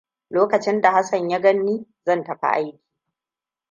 Lokacin da Hassan ya ganni zan tafi aiki.